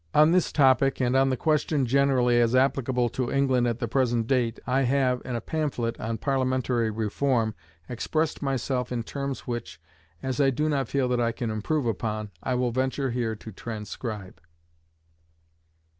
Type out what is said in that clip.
On this topic, and on the question generally as applicable to England at the present date, I have, in a pamphlet on Parliamentary Reform, expressed myself in terms which, as I do not feel that I can improve upon, I will venture here to transcribe.